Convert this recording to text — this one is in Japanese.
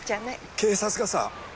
警察がさ。